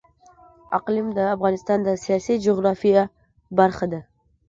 اقلیم د افغانستان د سیاسي جغرافیه برخه ده.